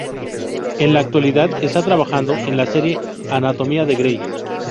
En la actualidad está trabajando en la serie "Anatomía de Grey".